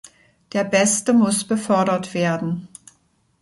Der Beste muss befördert werden.